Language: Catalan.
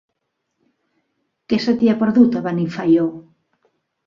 Què se t'hi ha perdut, a Benifaió?